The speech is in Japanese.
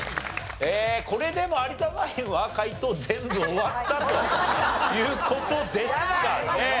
これでもう有田ナインは解答全部終わったという事ですかね。